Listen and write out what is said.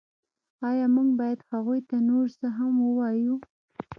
ایا موږ باید هغوی ته نور څه هم ووایو